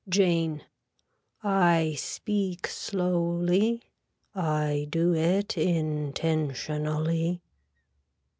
(Jane.) I speak slowly. I do it intentionally.